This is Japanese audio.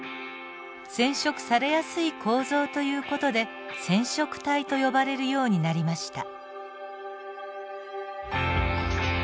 染色されやすい構造という事で染色体と呼ばれるようになりました。